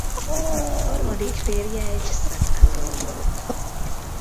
Harmadik férje egy szenátor volt.